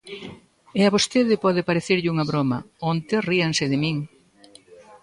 E a vostede pode parecerlle unha broma, onte ríanse de min.